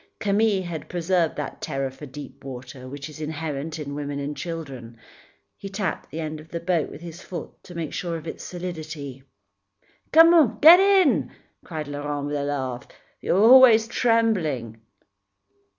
Camille had preserved that terror for deep water which is inherent in women and children. He tapped the end of the boat with his foot to make sure of its solidity. "Come, get in," cried Laurent with a laugh, "you're always trembling."